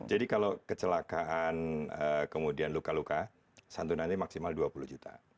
jadi kalau kecelakaan kemudian luka luka santunannya maksimal dua puluh juta